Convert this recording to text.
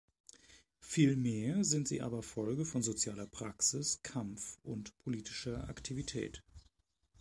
Vielmehr sind sie aber Folge von sozialer Praxis, Kampf und politischer Aktivität.